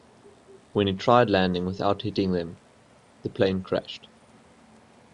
When he tried landing without hitting them, the plane crashed.